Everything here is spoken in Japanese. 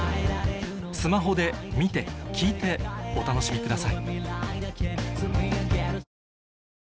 スマホで見て聴いてお楽しみください